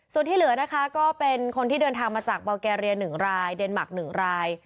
ส่วนที่เหลือนะคะก็เป็นคนที่เดินทางมาจากเบาแกเรีย๑รายเดนมาร์ค๑ราย